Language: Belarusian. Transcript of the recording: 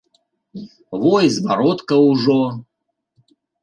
Во й зваротка ўжо.